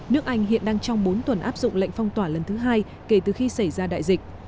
nước anh hiện đang trong bốn tuần áp dụng lệnh phong tỏa lần thứ hai kể từ khi xảy ra đại dịch